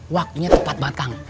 waktunya tepat banget kang